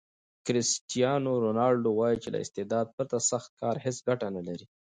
کرسټیانو رونالډو وایي چې له استعداد پرته سخت کار هیڅ ګټه نلري.